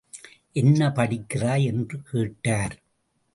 என்ன படிக்கிறாய்? என்று கேட்டார்.